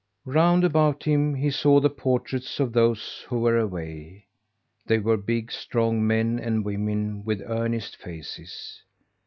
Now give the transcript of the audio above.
Round about him he saw the portraits of those who were away. They were big, strong men and women with earnest faces.